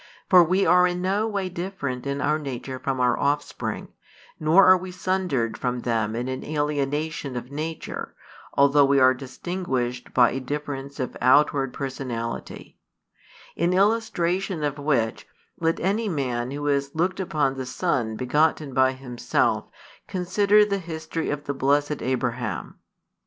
For we are in no way different in our nature from our offspring, nor are we sundered from them in an alienation of nature, although we are distinguished by a difference of outward personality; in illustration of which, let any man who has looked upon the son begotten by himself consider the history of the blessed Abraham.